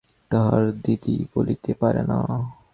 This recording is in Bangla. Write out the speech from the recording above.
তাহার দিদি বলিতে পারে না।